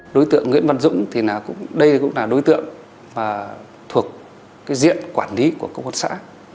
đối tượng nguyễn văn dũng thì đây cũng là đối tượng thuộc diện quản lý của cơ quan xã